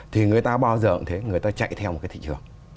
thì người ta bao giờ cũng thế người ta chạy theo một cái thị trường